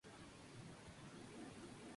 Dillard nació en su casa en Carol City, Florida.